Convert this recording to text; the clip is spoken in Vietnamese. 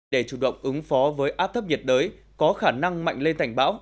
để chủ động ứng phó với áp thấp nhiệt đới có khả năng mạnh lên thành bão